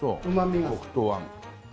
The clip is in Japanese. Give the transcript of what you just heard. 黒糖あん。